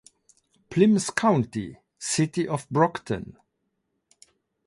Plymouth County: City of Brockton.